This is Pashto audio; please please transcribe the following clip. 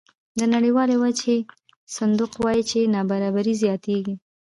د نړیوال وجهي صندوق وایي چې نابرابري زیاتېږي